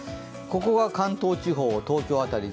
ここが関東地方、東京辺り。